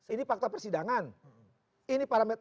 ini fakta persidangan